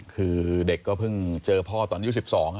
คือเด็กก็เพิ่งเจอพ่อตอนอายุ๑๒